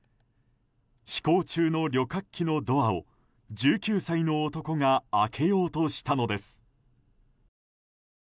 飛行中の旅客機のドアを１９歳の男が開けようとしたのです。